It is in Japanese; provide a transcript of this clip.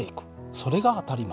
それが当たり前。